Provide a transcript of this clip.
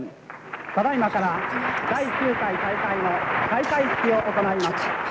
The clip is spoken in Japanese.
ただいまから第９回大会の開会式を行います。